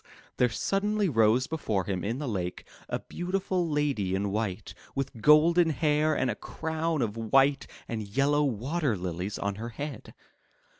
'* there suddenly rose before him in the lake a beautiful lady in white, with golden hair and a crown of white and yellow water lilies on her head.